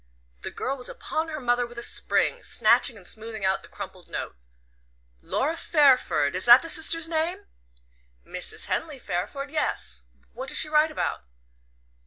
The girl was upon her mother with a spring, snatching and smoothing out the crumpled note. "Laura Fairford is that the sister's name?" "Mrs. Henley Fairford; yes. What does she write about?"